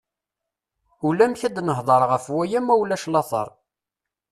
Ulamek ad nehder ɣef waya ma ulac later.